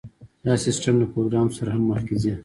دا سیستم له پروګرام سره سم مخکې ځي